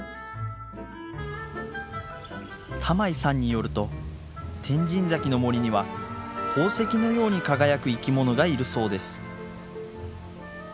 玉井さんによると天神崎の森には宝石のように輝く生き物がいるそうです。